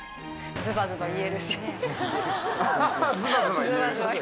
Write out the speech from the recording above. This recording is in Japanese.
ズバズバ言える。